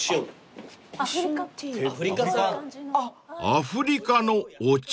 ［アフリカのお茶？］